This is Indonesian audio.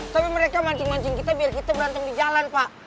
tapi mereka mancing mancing kita biar kita berantem di jalan pak